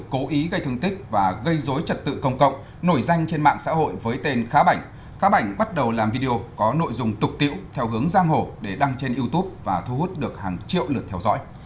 cố ý gây thương tích và gây dối trật tự công cộng nổi danh trên mạng xã hội với tên khá bảnh khá bảnh bắt đầu làm video có nội dung tục tiễu theo hướng giang hồ để đăng trên youtube và thu hút được hàng triệu lượt theo dõi